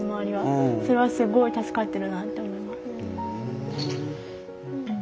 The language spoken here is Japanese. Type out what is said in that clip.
それはすごい助かってるなと思います。